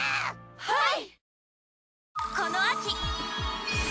はい！